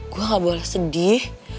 gue nggak boleh sedih